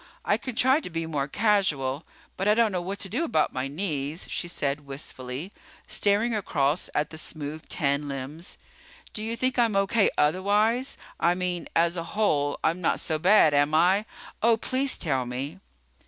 I can try to be more casual. But I don't know what to do about my knees," she said wistfully, staring across at the smooth, tan limbs. "Do you think I'm okay otherwise? I mean, as a whole I'm not so bad, am I? Oh, please tell me."